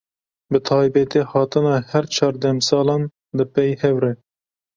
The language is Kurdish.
Bi taybetî hatina her çar demsalan di pey hev re.